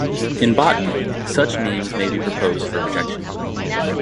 In botany, such names may be proposed for rejection.